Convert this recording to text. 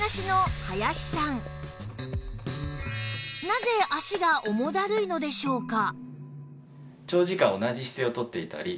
なぜ脚が重だるいのでしょうか？